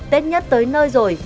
tết nhất tới nơi rồi